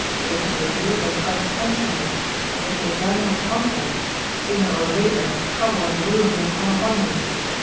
They can reward their friends handsomely, and ef you jine with Pontiac, sooner or later trouble and ruin will come upon you.